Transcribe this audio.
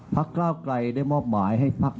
ภักดิ์เกล้าไกรได้มอบหมายให้ภักดิ์